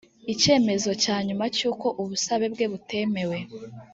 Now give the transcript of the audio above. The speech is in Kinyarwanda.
ikemezo cya nyuma cy uko ubusabe bwe butemewe